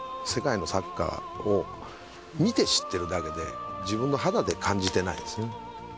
世界のサッカーを見て知ってるだけで自分の肌で感じてないですね。